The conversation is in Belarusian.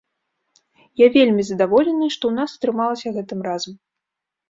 Я вельмі задаволены, што ў нас атрымалася гэтым разам.